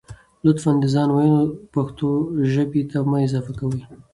لطفاً د ځانه وييونه پښتو ژبې ته مه اضافه کوئ